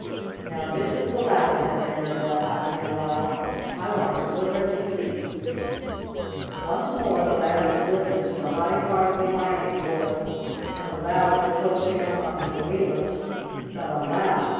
"Now this is the last," said Mirabell, after a while. "I want to put her to sleep." Once more the Lamb was lifted to the high part of the ironing board and allowed to coast down on her wheels. But, alas!